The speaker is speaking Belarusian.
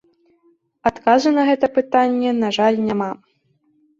Адказу на гэта пытанне, на жаль, няма.